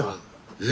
ええ？